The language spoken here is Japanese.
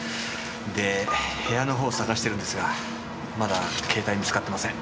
で部屋のほう捜してるんですがまだ携帯見つかってません。